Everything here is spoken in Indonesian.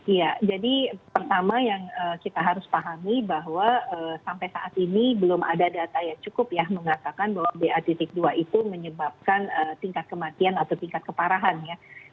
iya jadi pertama yang kita harus pahami bahwa sampai saat ini belum ada data yang cukup ya mengatakan bahwa ba dua itu menyebabkan tingkat kematian atau tingkat keparahan ya